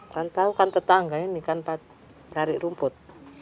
kan tahu kan tetangga ini kan cari rumput